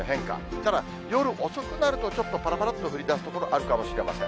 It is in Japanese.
ただ夜遅くなると、ちょっとぱらぱらっと降りだす所、あるかもしれません。